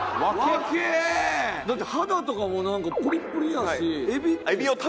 だって肌とかもなんかプリプリやし。